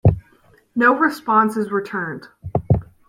No response is returned.